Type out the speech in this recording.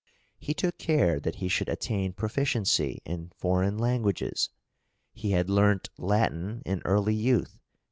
He took care that he should attain proficiency in foreign languages; he had learnt Latin in early youth (p.